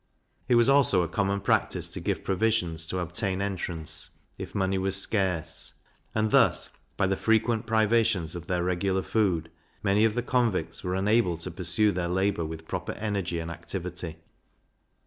It was also a common practice to give provisions to obtain entrance, if money was scarce; and thus, by the frequent privations of their regular food, many of the convicts were unable to pursue their labour with proper energy and activity.